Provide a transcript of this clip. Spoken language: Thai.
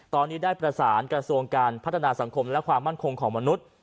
ตอนนี้ได้ประสานกระทรวงการพัฒนาสังคมและความมั่นคงของมนุษย์